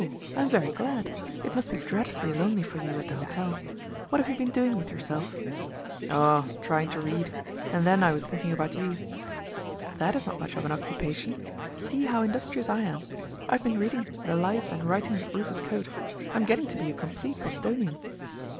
I am very glad. It must be dreadfully lonely for you at the hotel. What have you been doing with yourself?" "Oh trying to read. And then, I was thinking about you." "That is not much of an occupation. See how industrious I am. I have been reading the 'Life and Writings of Rufus Choate.' I am getting to be a complete Bostonian."